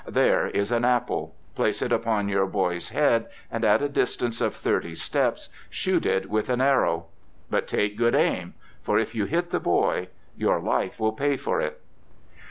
There is an apple. Place it upon your boy's head, and at a distance of thirty steps shoot it with an arrow. But take good aim! For, if you hit the boy, your life will pay for it!"